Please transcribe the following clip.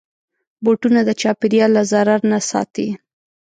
بوټونه د چاپېریال له ضرر نه ساتي.